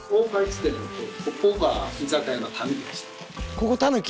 ここ「たぬき」？